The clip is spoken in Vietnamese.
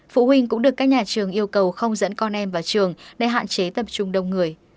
phụ huynh cũng được các nhà trường yêu cầu không dẫn con em vào trường để hạn chế tập trung đông người